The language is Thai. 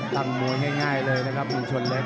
ตั้งมวยง่ายเลยนะครับเมืองชนเล็ก